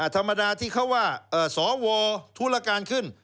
ธรรมดาที่เขาว่าสวธุรการขึ้น